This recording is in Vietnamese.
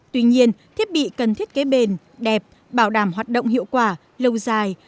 tuy nhiên thiết bị cần thiết kế bền đẹp bảo đảm hoạt động hiệu quả lâu dài